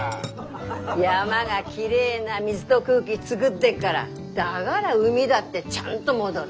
山がきれいな水と空気作ってっからだがら海だってちゃんと戻る。